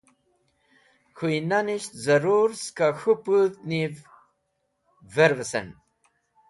K̃hũynanisht zarũr skẽ k̃hũ pũdhev vervesen.